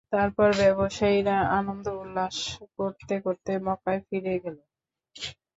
তারপর ব্যবসায়ীরা আনন্দ উল্লাস করতে করতে মক্কায় ফিরে গেল।